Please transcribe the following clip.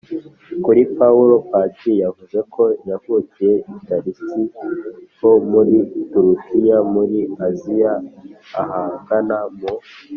kuri paulo, padiri yavuze ko yavukiye i tarisi ho muri turukiya muri aziya ahagana mu